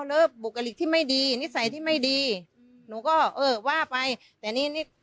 หรือบุคลิกที่ไม่ดีนิสัยที่ไม่ดีอืมหนูก็เออว่าไปแต่นี่นี่